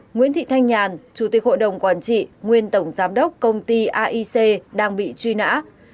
ba nguyễn thị thanh nhàn chủ tịch hội đồng quản trị nguyên tổng giám đốc công ty aic đang bị truy nã